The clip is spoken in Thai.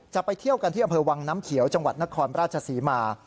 จะไปเที่ยวกันที่อำเภอวังน้ำเขียวจังหวัดนครราชศรีมา